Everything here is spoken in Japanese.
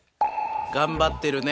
頑張ってるね。